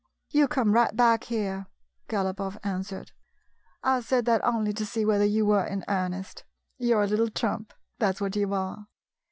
" You come right back here," Galopoff an swered. " I said that only to see whether you were in earnest. You 're a little trump — that 's what you are.